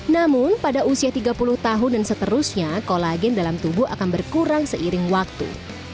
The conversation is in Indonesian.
namun pada usia tiga puluh tahun dan seterusnya kolagen dalam tubuh akan berkurang seiring waktu